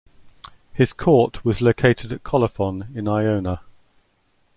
His court was located at Colophon in Ionia.